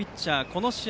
この試合